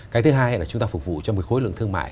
cái thứ hai là chúng ta phục vụ cho một khối lượng thương mại